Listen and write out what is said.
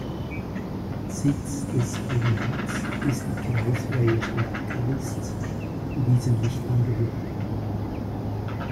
Sitz des Powiats ist die kreisfreie Stadt Kalisz, die diesem nicht angehört.